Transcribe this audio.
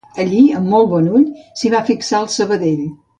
Allí, amb molt bon ull, s'hi va fixar el Sabadell.